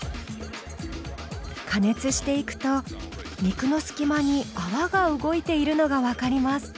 加熱していくと肉の隙間に泡が動いているのが分かります。